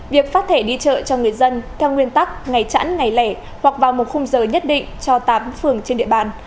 việc phát thẻ đi chợ cho người dân theo nguyên tắc ngày chẵn ngày lẻ hoặc vào một khung giờ nhất định cho tám phường trên địa bàn